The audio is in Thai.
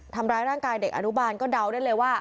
ทำร้ายร่างกายเด็กอนุบาลก็เดาได้เลยว่า